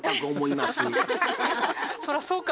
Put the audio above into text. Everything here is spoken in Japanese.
そらそうか。